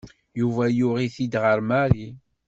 Yuba yuɣ-it-id ɣer Mary.